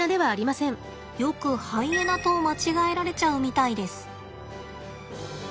よくハイエナと間違えられちゃうみたいです。